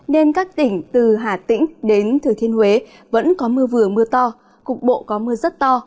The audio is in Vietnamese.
nên các tỉnh từ hà tĩnh đến thừa thiên huế vẫn có mưa vừa mưa to cục bộ có mưa rất to